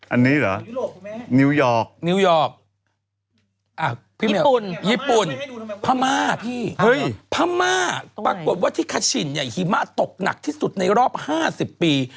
อันนี้เหรอนิวยอร์กญี่ปุ่นพม่าปรากฏว่าที่คาชินหิมะตกหนักที่สุดในรอบ๕๐ปี